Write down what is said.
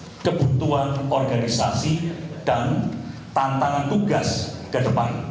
untuk kebutuhan organisasi dan tantangan tugas ke depan